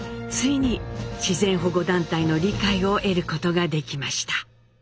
ついに自然保護団体の理解を得ることができました。